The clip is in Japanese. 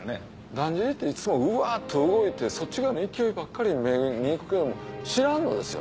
だんじりっていつもうわっと動いてそっち側の勢いばっかりに目ぇいくけども知らんのですよ